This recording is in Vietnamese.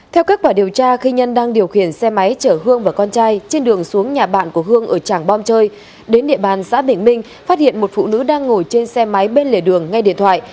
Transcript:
theo kết quả điều tra khi nhân đang điều khiển xe máy chở hương và con trai trên đường xuống nhà bạn của hương ở tràng bom chơi đến địa bàn xã bình minh phát hiện một phụ nữ đang ngồi trên xe máy bên lề đường ngay điện thoại